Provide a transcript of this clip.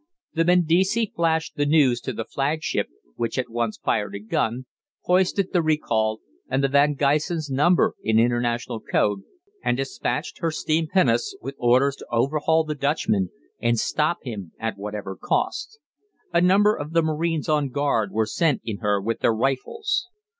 The 'Medici' flashed the news to the flagship, which at once fired a gun, hoisted the recall and the 'Van Gysen's' number in the international code, and despatched her steam pinnace, with orders to overhaul the Dutchman and stop him at whatever cost. A number of the marines on guard were sent in her with their rifles.